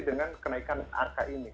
dengan kenaikan angka ini